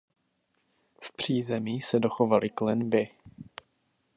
V přízemí se dochovaly klenby.